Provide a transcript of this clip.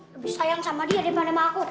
lebih sayang sama dia daripada sama aku